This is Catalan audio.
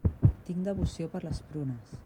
Tinc devoció per les prunes.